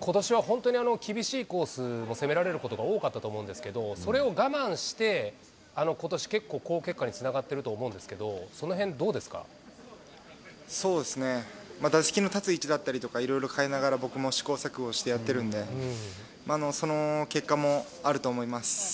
ことしは本当に厳しいコースも攻められることが多かったと思うんですけれども、それを我慢して、ことし結構好結果につながってると思うんですけれども、そのへんそうですね、打席の立つ位置だったりとか色々変えながら、僕も試行錯誤をしてやってるので、その結果もあると思います。